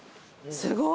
すごい。